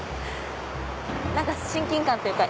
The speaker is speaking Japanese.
何か親近感っていうか。